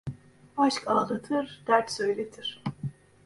Aşk ağlatır, dert söyletir.